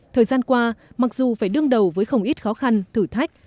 thời gian qua mặc dù phải đương đầu với không ít khó khăn thử thách